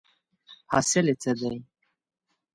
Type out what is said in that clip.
حاصل یې څه دی ؟